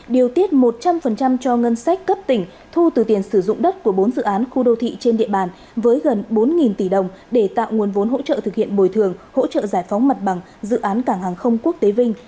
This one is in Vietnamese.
điều tiết một trăm linh cho ngân sách cấp tỉnh thu từ tiền sử dụng đất của bốn dự án khu đô thị trên địa bàn với gần bốn tỷ đồng để tạo nguồn vốn hỗ trợ thực hiện bồi thường hỗ trợ giải phóng mặt bằng dự án cảng hàng không quốc tế vinh